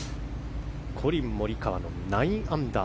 コリン・モリカワの９アンダー。